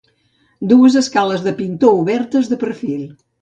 Dues escales de pintor obertes, de perfil.